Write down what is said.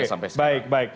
oke baik baik